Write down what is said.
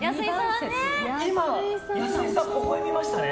今、安井さんほほ笑みましたね？